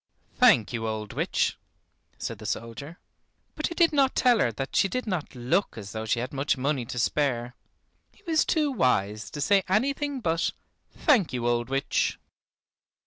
"Thank you, old witch," said the soldier. But he did not tell her that she did not look as though she had much money to spare. He was too wise to say anything but, "Thank you, old witch."